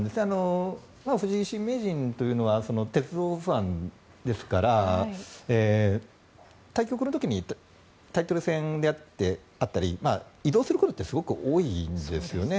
藤井新名人というのは鉄道ファンですから対局の時にタイトル戦であったり移動することってすごく多いんですよね。